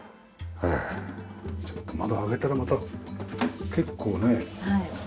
ちょっと窓開けたらまた結構ね。